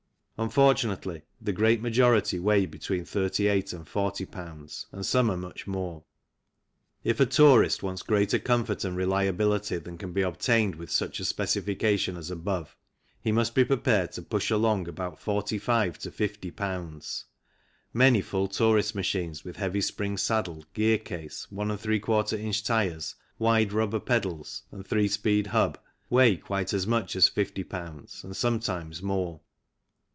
Unfortunately, the great majority weigh between 38 and 40 Ibs., and some are much more. If a tourist wants greater comfort and reliability than can be obtained with such a specification as above he must be prepared to push along about 45 to 50 Ibs. Many full tourist machines with heavy spring saddle, gear case, If in. tyres, wide rubber pedals, and three speed hub, weigh quite as much as 50 Ibs. and sometimes more.